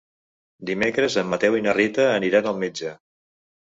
Dimecres en Mateu i na Rita aniran al metge.